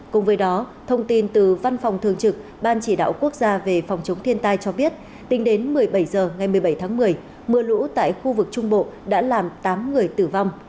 cùng với đó thông tin từ văn phòng thường trực ban chỉ đạo quốc gia về phòng chống thiên tai cho biết tính đến một mươi bảy h ngày một mươi bảy tháng một mươi mưa lũ tại khu vực trung bộ đã làm tám người tử vong